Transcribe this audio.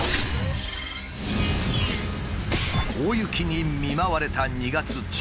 大雪に見舞われた２月中旬。